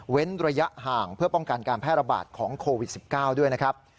ระยะห่างเพื่อป้องกันการแพร่ระบาดของโควิด๑๙ด้วยนะครับ